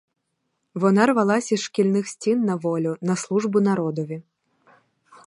Вона рвалась із шкільних стін на волю, на службу народові.